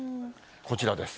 こちらです。